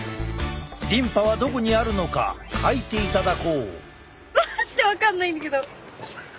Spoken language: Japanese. リンパはどこにあるのか描いていただこう。